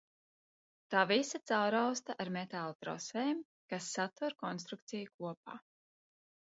Tā visa caurausta ar metāla trosēm, kas satur konstrukciju kopā.